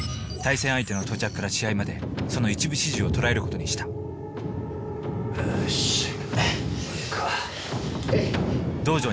対戦相手の到着から試合までその一部始終を捉える事にしたよし行くか。